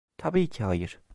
Tabii ki hayır.